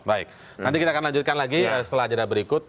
baik nanti kita akan lanjutkan lagi setelah jeda berikut